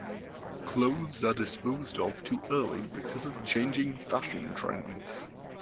Clothes are disposed of too early because of changing fashion trends.